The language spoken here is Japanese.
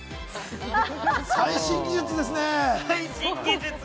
最新技術ですね。